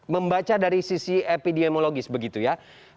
membaca dari sisi epidemiologis begitu ya